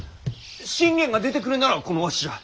信玄が出てくるならこのわしじゃ。